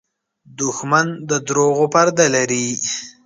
دښمن د دروغو پرده لري